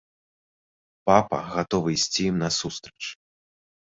Папа гатовы ісці ім насустрач.